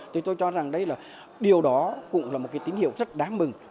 tôi cho rằng điều đó cũng là một tín hiệu rất đáng mừng